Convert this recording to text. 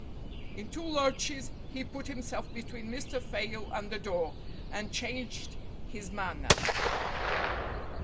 In two lurches he put himself between Mr. Fayle and the door, and changed his manner.